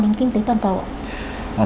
đến kinh tế toàn cầu ạ